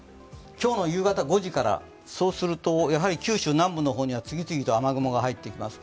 今日の夕方５時から、そうするとやはり九州南部の方には次々と雨雲が入ってきます。